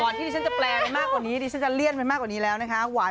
ก่อนที่ดิฉันจะแปลมากกว่านี้ดิฉันจะเลี่ยนมากกว่านี้แล้วนะคะ